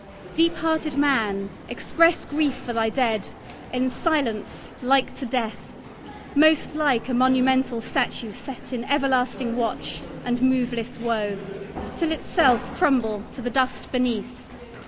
Deep hearted man, express Grief for thy Dead in silence like to death— Most like a monumental statue set 10 In everlasting watch and moveless woe Till itself crumble to the dust beneath.